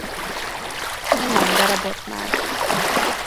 Minden darabot más.